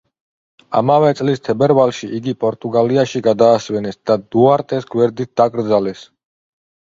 ამავე წლის თებერვალში იგი პორტუგალიაში გადაასვენეს და დუარტეს გვერდით დაკრძალეს.